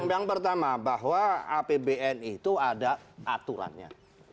yang pertama bahwa apbn itu ada aturannya